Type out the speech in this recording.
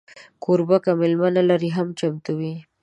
کوربه که میلمه نه لري، هم چمتو وي.